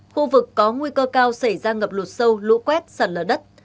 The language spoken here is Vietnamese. khu vực có nguy cơ cao xảy ra ngập lụt sâu lũ quét sạt lở đất